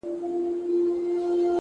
حوصله د وخت ملګرې ده,